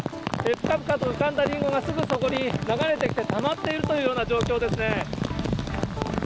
プカプカと浮かんだリンゴがすぐそこに流れてきて、たまっているというような状況ですね。